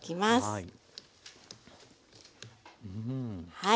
はい。